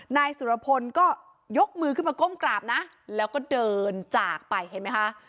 นายสุรพลก็ยกมือขึ้นมาก้มกราบนะแล้วก็เดินจากไปเห็นไหมคะ